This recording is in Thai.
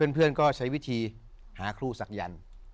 เพื่อนก็ใช้วิธีหาครูศักยันต์